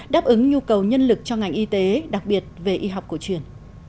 đáp ứng nhu cầu nhân lực cho ngành y tế đặc biệt về y học cổ truyền